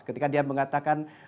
ketika dia mengatakan